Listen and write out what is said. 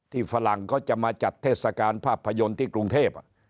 ฝรั่งเขาจะมาจัดเทศกาลภาพยนตร์ที่กรุงเทพ